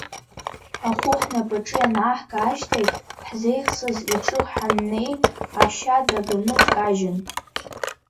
Ахәы ҳнапаҿы ианааҳга ашьҭахь, ҳзеихсыз иҿы ҳаннеи, ашьа даганы дкажьын.